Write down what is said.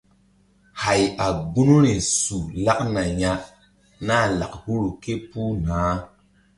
Hay a gunuri su lakna ya na lak huru ké puh nah.